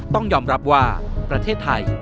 ต้องยอมรับว่าประเทศไทย